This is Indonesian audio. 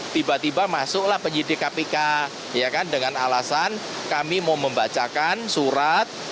tiba tiba masuklah penyidik kpk dengan alasan kami mau membacakan surat